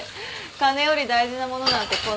金より大事なものなんてこの世の中に。